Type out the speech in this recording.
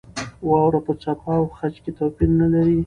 واوره په څپه او خج کې توپیر نه لري.